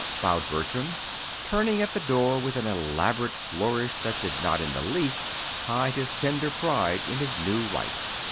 _" bowed Bertram, turning at the door, with an elaborate flourish that did not in the least hide his tender pride in his new wife.